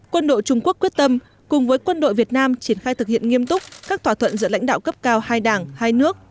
quân đội trung quốc quyết tâm cùng với quân đội việt nam triển khai thực hiện nghiêm túc các thỏa thuận giữa lãnh đạo cấp cao hai đảng hai nước